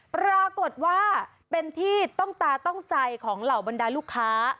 ปรากฏว่าเป็นที่ต้องตาต้องใจของเหล่าบรรดาลูกค้า